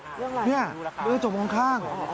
เรื่องอะไรเรื่องจังหวงข้าง